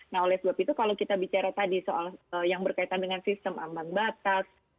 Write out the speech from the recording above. nah oleh sebab itu kalau kita bicara tadi soal yang berkaitan dengan sistem ambang batas